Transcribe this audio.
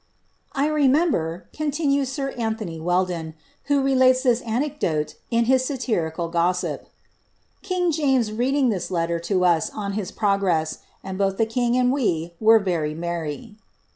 ^ I remember, continues sir Antony Weldon, who relates this anecdote in his satirical gossip, ^ king James reading this letter to us on his progress, and both the Idng and we were very merry.